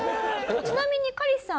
ちなみにカリスさん